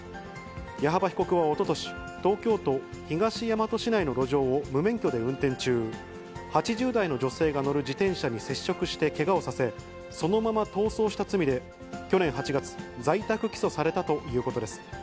矢幅被告はおととし、東京都東大和市内の路上を無免許で運転中、８０代の女性が乗る自転車に接触してけがをさせ、そのまま逃走した罪で、去年８月、在宅起訴されたということです。